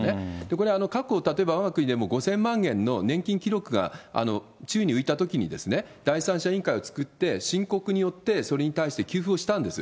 これ、過去、例えばわが国でも５０００万円の年金記録が宙に浮いたときに、第三者委員会を作って、申告によって、それに対して給付をしたんです。